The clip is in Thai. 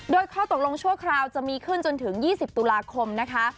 โดยข้อตกลงชั่วคราวจะมีขึ้นจนถึง๒๐ตุลาคมนะคะ